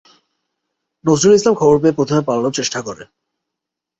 নজরুল ইসলাম খবর পেয়ে প্রথমে পালানোর চেষ্টা করেন।